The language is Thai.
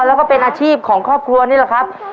แล้วก็เป็นอาชีพของครอบครัวนี่แหละครับ